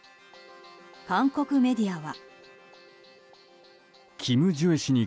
韓国メディアは。